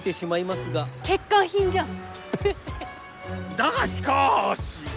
だがしかし！